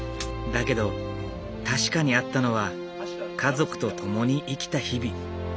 だけど確かにあったのは家族と共に生きた日々。